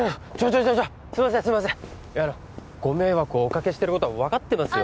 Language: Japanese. すいませんご迷惑をおかけしてることは分かってますよ